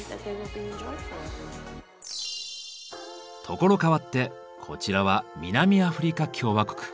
所変わってこちらは南アフリカ共和国。